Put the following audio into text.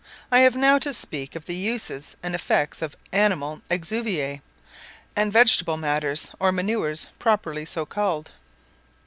I have now to speak of the uses and effects of animal exuviae, and vegetable matters or manures properly so called.